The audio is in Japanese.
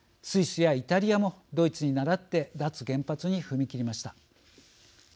スイスやイタリアもドイツにならって脱原発に踏み切りました。